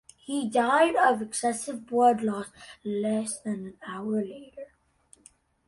He died of excessive blood loss less than an hour later.